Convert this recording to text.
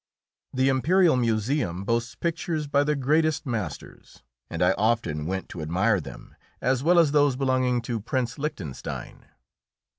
The Imperial Museum boasts pictures by the greatest masters, and I often went to admire them, as well as those belonging to Prince Lichtenstein.